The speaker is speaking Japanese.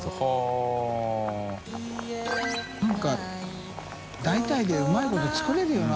呂繊覆鵑大体でうまいこと作れるよな。